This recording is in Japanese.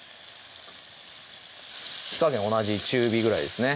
火加減同じ中火ぐらいですね